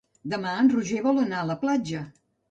Demà en Roger vol anar a la platja.